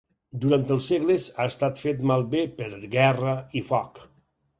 Durant els segles, ha estat fet malbé per guerra i foc.